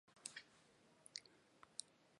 也是原都柏林总教区总主教。